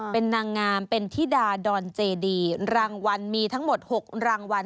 เป็นนางงามเป็นธิดาดอนเจดีรางวัลมีทั้งหมด๖รางวัล